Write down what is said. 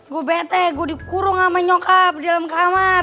gue bete gue dikurung sama nyokap di dalam kamar